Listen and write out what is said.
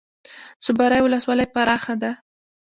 صبریو ولسوالۍ پراخه ده؟